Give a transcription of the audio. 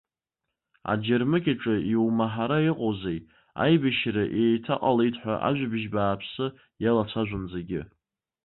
Аџьармыкьаҿы иумаҳара иҟоузеи, аибашьра еиҭаҟалеит ҳәа ажәабжь бааԥсы иалацәажәон зегьы.